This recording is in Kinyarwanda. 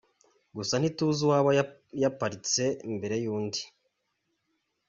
Gusa ntituzi uwaba yaparitse mbere y’undi.